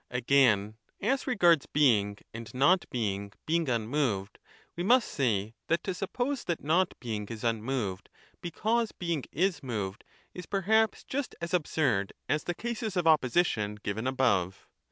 Again, as regards Being and Not being being un 15 moved, we must say that to suppose that Not being is unmoved because Being is moved, is perhaps just as absurd as the cases of opposition given above.